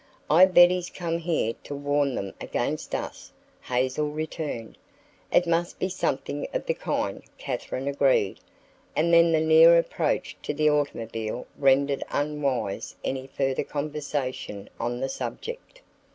"I bet he's come here to warn them against us," Hazel returned. "It must be something of the kind," Katherine agreed, and then the near approach to the automobile rendered unwise any further conversation on the subject.